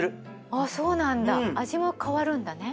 あそうなんだ味も変わるんだね。